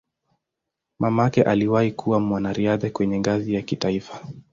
Mamake aliwahi kuwa mwanariadha kwenye ngazi ya kitaifa.